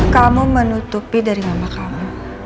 kamu menutupi dari mama kamu